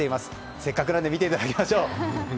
せっかくなんで見ていただきましょう。